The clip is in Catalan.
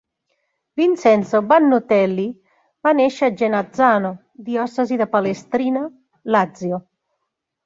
Vincenzo Vannutelli va néixer a Genazzano, diòcesi de Palestrina, Lazio.